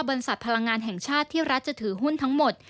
บริษัทพลังงานแห่งชาติที่รัฐจะถือหุ้นทั้งหมด